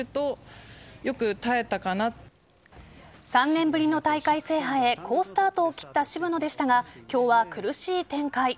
３年ぶりの大会制覇へ好スタートを切った渋野でしたが今日は苦しい展開。